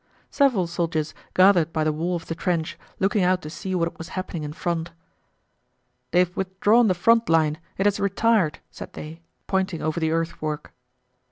Several soldiers gathered by the wall of the trench, looking out to see what was happening in front. "They've withdrawn the front line, it has retired," said they, pointing over the earthwork.